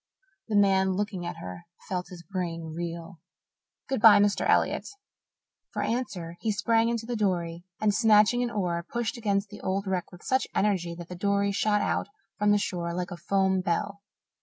The man looking at her felt his brain reel. "Good bye, Mr. Elliott." For answer he sprang into the dory and, snatching an oar, pushed against the old wreck with such energy that the dory shot out from the shore like a foam bell.